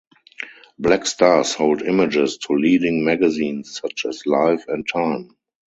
Black Star sold images to leading magazines such as "Life" and "Time".